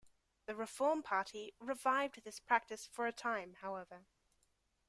The Reform Party revived this practice for a time, however.